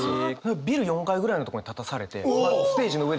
ビル４階くらいのところに立たされてステージの上ですよ。